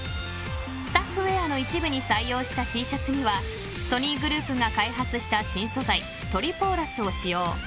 スタッフウェアの一部に採用したＴシャツにはソニーグループが開発した新素材トリポーラスを使用。